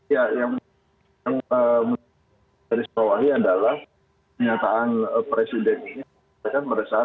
yang saya menarik dari sebuah wajah adalah pernyataan presiden ini akan meresahkan